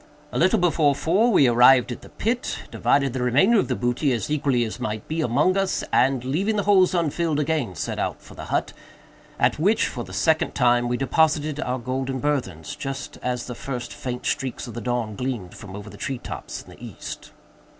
A little before four we arrived at the pit, divided the remainder of the booty, as equally as might be, among us, and, leaving the holes unfilled, again set out for the hut, at which, for the second time, we deposited our golden burthens, just as the first faint streaks of the dawn gleamed from over the tree tops in the East.